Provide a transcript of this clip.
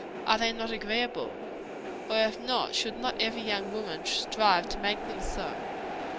Are they not agreeable? Or if not, should not every young woman strive to make them so?